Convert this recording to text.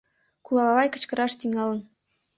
Кувавай кычкыраш тӱҥалын.